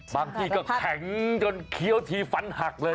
บางทีก็แข็งจนเคี้ยวทีฟันหักเลย